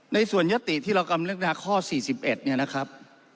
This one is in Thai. ในส่วนยศติที่เรากำลังเรียกได้ข้อ๔๑เนี่ยนะครับ